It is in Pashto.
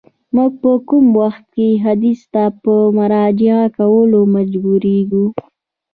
موږ په کوم وخت کي حدیث ته په مراجعه کولو مجبوریږو؟